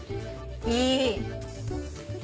いい！